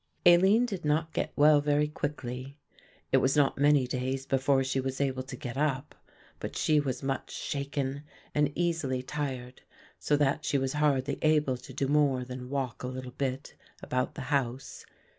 Aline did not get well very quickly. It was not many days before she was able to get up, but she was much shaken and easily tired, so that she was hardly able to do more than walk a little bit about the house.